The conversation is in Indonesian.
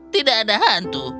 tidak ada hantu